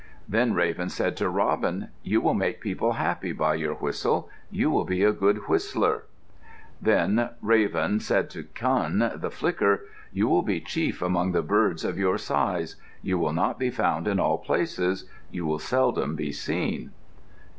Then Raven said to Robin, "You will make people happy by your whistle. You will be a good whistler." Then Raven said to Kun, the Flicker, "You will be chief among the birds of your size. You will not be found in all places. You will seldom be seen."